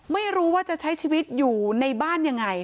ไม่รู้ว่าจะใช้ชีวิตอยู่ในบ้านยังไง